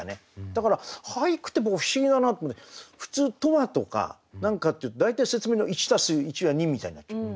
だから俳句って僕不思議だなって思って普通「とは」とか何かっていうと大体説明の１＋１＝２みたいになっちゃう。